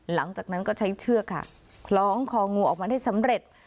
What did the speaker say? หลังจากนั้นก็ใช้เชือกค่ะคล้องคองูออกมาได้สำเร็จ